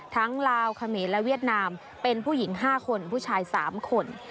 ลาวเขมรและเวียดนามเป็นผู้หญิง๕คนผู้ชาย๓คน